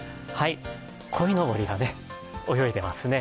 こいのぼりがね泳いでいますね。